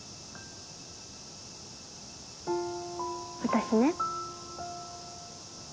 私ね。